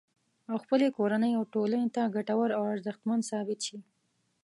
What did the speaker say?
او خپلې کورنۍ او ټولنې ته ګټور او ارزښتمن ثابت شي